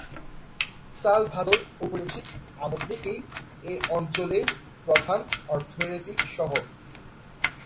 Salvador ঔপনিবেশিক আমল থেকেই এই অঞ্চলের প্রধান অর্থনৈতিক শহর।